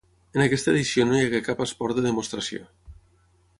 En aquesta edició no hi hagué cap esport de demostració.